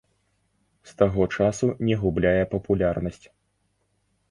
З таго часу не губляе папулярнасць.